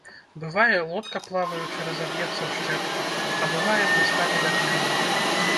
Бывае, лодка, плаваючы, разаб'ецца ў шчэпкі, а бывае, прыстане да берага.